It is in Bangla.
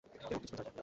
এই উটটি ছিল যারীদের।